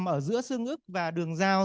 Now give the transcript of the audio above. nằm ở giữa xương ức và đường giao